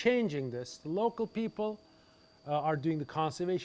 orang orang lokal berusaha untuk konservasi